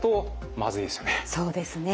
そうですね。